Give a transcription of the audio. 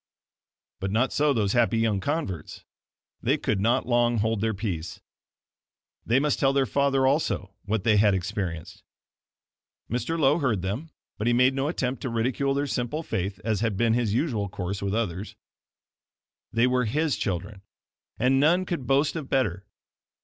But not so those happy young converts. They could not long hold their peace. They must tell their father also what they had experienced. Mr. Lowe heard them, but he made no attempt to ridicule their simple faith, as had been his usual course with others. They were HIS children, and none could boast of better.